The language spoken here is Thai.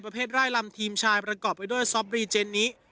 ประเภทร่ายลำทีมชายประกอบไปด้วยซอฟรีเจนิ